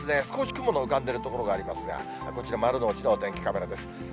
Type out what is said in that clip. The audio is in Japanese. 少し雲の浮かんでる所がありますが、こちら、丸の内のお天気カメラです。